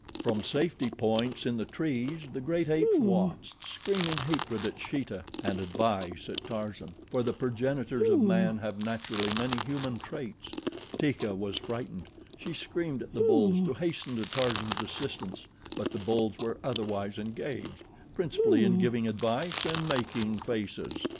From safety points in the trees the great apes watched, screaming hatred at Sheeta and advice at Tarzan, for the progenitors of man have, naturally, many human traits. Teeka was frightened. She screamed at the bulls to hasten to Tarzan's assistance; but the bulls were otherwise engaged principally in giving advice and making faces.